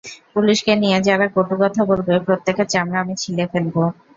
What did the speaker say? পুলিশকে নিয়ে যারা কটুকথা বলবে, প্রত্যেকের চামড়া আমি ছিলে ফেলবো।